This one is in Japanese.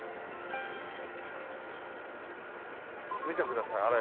見てくださいあれ。